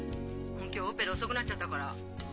今日オペで遅くなっちゃったから。